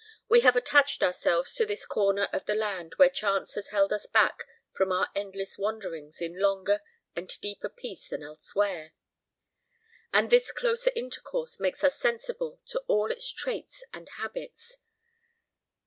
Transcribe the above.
We have attached ourselves to this corner of the land where chance has held us back from our endless wanderings in longer and deeper peace than elsewhere; and this closer intercourse makes us sensible of all its traits and habits.